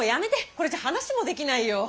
これじゃ話もできないよ！